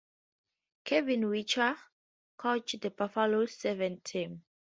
Kevin Whitcher coaches the Buffaloes sevens team.